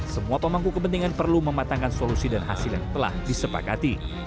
semua pemangku kepentingan perlu mematangkan solusi dan hasil yang telah disepakati